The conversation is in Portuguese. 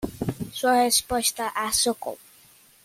Sua resposta a chocou